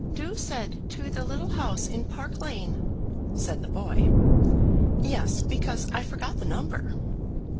"Dou said to the little house in Park Lane," said the boy. "Yes, because I forgot the number."